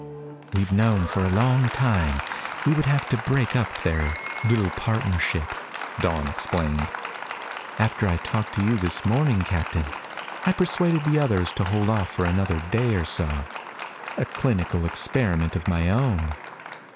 "We've known for a long time we would have to break up their little partnership," Dawn explained. "After I talked to you this morning, Captain, I persuaded the others to hold off for another day or so. A clinical experiment of my own.